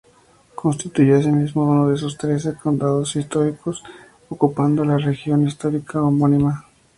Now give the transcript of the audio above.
Constituyó asimismo uno de sus trece condados históricos, ocupando la región histórica homónima.